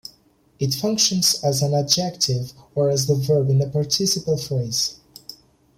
It functions as an adjective or as the verb in a participial phrase.